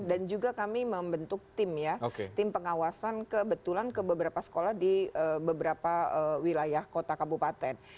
dan juga kami membentuk tim ya tim pengawasan kebetulan ke beberapa sekolah di beberapa wilayah kota kabupaten